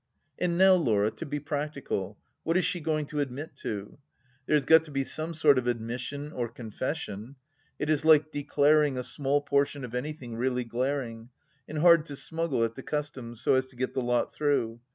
And now, Laura, to be practical, what is she going to admit to ? There has got to be some sort of admission or confession. It is like " declaring " a small portion of any thing really glaring, and hard to smuggle at the Customs, so as to get the lot through.